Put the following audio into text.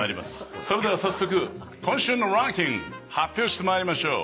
それでは早速今週のランキング発表してまいりましょう。